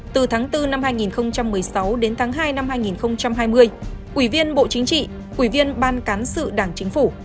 từ tháng bốn năm hai nghìn một mươi sáu đến tháng hai năm hai nghìn hai mươi ủy viên bộ chính trị ủy viên ban cán sự đảng chính phủ